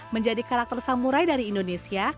menjadi karakter samurai dari indonesia